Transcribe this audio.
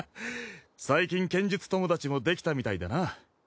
最近剣術友達もできたみたいだな。